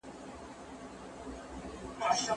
ما به ويل چي کاش زه د کيسې اتل وای.